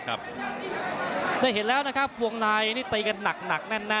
ก็เห็นนะครับวงลายนี่เป็นหนักแน่น